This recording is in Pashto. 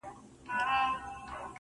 وه ه ته به كله زما شال سې .